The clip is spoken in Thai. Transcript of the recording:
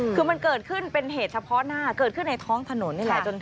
คือมันเกิดขึ้นเป็นเหตุเฉพาะหน้าเกิดขึ้นในท้องถนนนี่แหละ